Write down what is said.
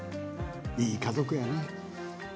いい家族やな。